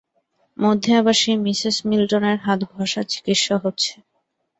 মধ্যে আবার সেই মিসেস মিল্টনের হাতঘষা চিকিৎসা হচ্ছে।